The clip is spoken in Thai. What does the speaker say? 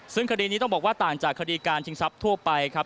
ซึ่งคดีนี้ต้องบอกว่าต่างจากคดีการชิงทรัพย์ทั่วไปครับ